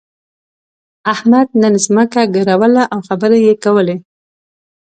احمد نن ځمکه ګروله او خبرې يې کولې.